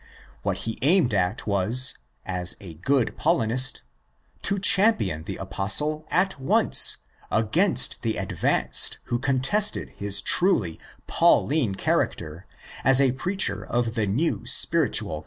What he aimed at was, as ἃ good Paulinist, to champion the Apostle at once against the advanced who contested his truly 'Pauline'' character as a preacher of the new '" spiritual"?